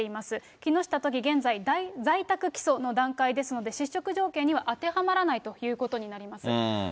木下都議、現在在宅起訴の段階ですので、失職条件には当てはまらないということになります。